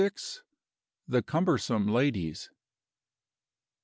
THE CUMBERSOME LADIES.